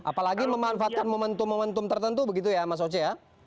apalagi memanfaatkan momentum momentum tertentu begitu ya mas oce ya